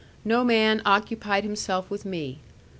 No man occupied himself with me.